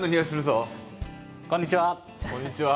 こんにちは。